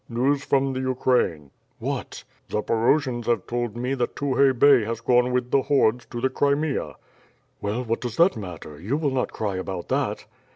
"News from the Ukraine." "What?" "Zaporojians have told me that Tukhay Bey has gone with the hordes to th«e Crimea." "Well, what does that matter, you will not cry about that?"